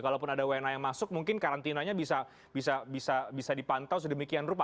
kalaupun ada wna yang masuk mungkin karantinanya bisa dipantau sedemikian rupa